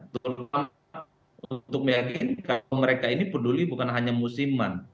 terutama untuk meyakinkan mereka ini peduli bukan hanya musiman